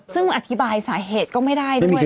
ซึ่งอธิบายสาเหตุก็ไม่ได้ด้วย